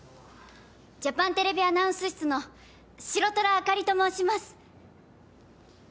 ジャパンＴＶアナウンス室の白虎あかりと申します